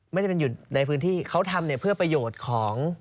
ไม่ได้เป็นอยู่ในพื้นที่เขาทำเนี่ยเพื่อประโยชน์ของ